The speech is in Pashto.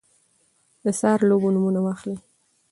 د څو لوبو نومونه واخلی ؟